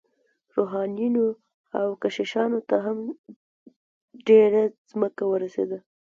روحانیونو او کشیشانو ته هم ډیره ځمکه ورسیدله.